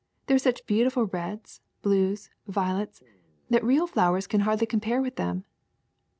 There are such beautiful reds, blues, violets, that real flowers can hardly compare with them.''